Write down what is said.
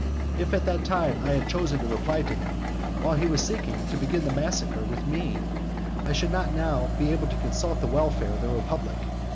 If at that time I had chosen to reply to him, while he was seeking to begin the massacre with me, I should not now be able to consult the welfare of the republic.